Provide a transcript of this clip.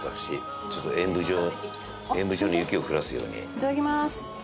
いただきます。